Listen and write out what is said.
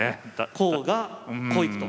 こうがこう行くと。